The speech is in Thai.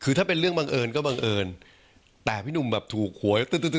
คือถ้าเป็นเรื่องบังเอิญก็บังเอิญแต่พี่หนุ่มแบบถูกหวยตื๊ด